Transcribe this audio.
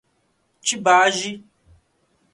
Tibagi